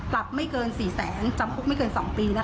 ตรับไม่เกิน๔แสนจำคุกไม่เกิน๒ปีนะคะ